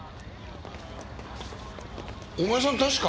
お前さん確か。